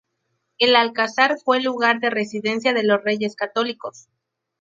El alcázar fue lugar de residencia de los Reyes Católicos.